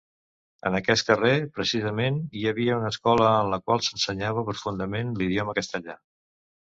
En aquest carrer, precisament, hi havia una escola en la qual s'ensenyava profundament l'idioma castellà.